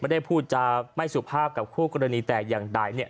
ไม่ได้พูดจะไม่สุขภาพกับคู่กรณีแตกอย่างไร